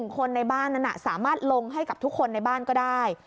คนในบ้านนั้นสามารถลงให้กับทุกคนในบ้านก็ได้